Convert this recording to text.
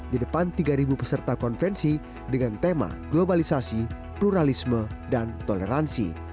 di depan tiga peserta konvensi dengan tema globalisasi pluralisme dan toleransi